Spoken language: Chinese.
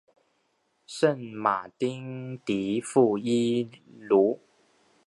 圣马丁迪富伊卢。